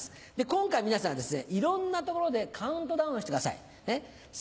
今回皆さんはいろんなところでカウントダウンしてください。